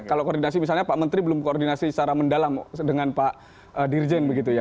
kalau koordinasi misalnya pak menteri belum koordinasi secara mendalam dengan pak dirjen begitu ya